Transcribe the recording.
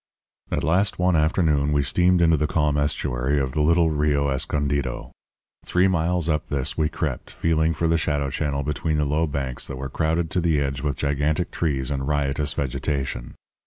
"At last one afternoon we steamed into the calm estuary of the little Rio Escondido. Three miles up this we crept, feeling for the shallow channel between the low banks that were crowded to the edge with gigantic trees and riotous vegetation.